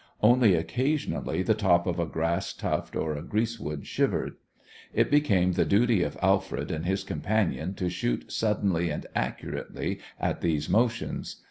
Only occasionally the top of a grass tuft or a greasewood shivered. It became the duty of Alfred and his companion to shoot suddenly and accurately at these motions.